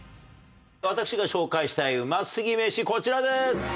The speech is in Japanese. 私が紹介したい美味すぎメシこちらです。